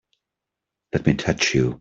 Let me touch you!